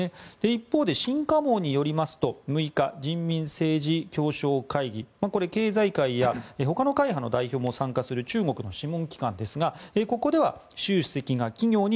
一方で新華網によりますと６日、人民政治協商会議これは経済界やほかの会派の代表も参加する中国の諮問機関ですがここでは習主席が企業に